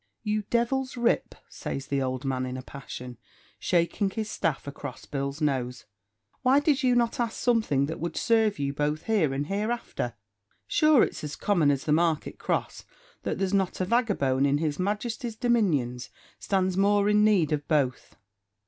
"You devil's rip!" says the old man in a passion, shaking his staff across Bill's nose, "why did you not ask something that would sarve you both here and hereafter? Sure it's as common as the market cross, that there's not a vagabone in his Majesty's dominions stands more in need of both."